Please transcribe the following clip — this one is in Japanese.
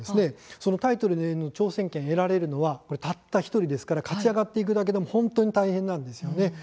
そのタイトルの挑戦権を得られるのはたった１人ですから勝ち上がっていくだけでも本当に大変なんです。